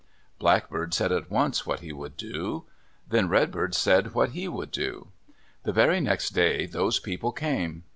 Blackbird said at once what he would do. Then Redbird said what he would do. The very next day those people came.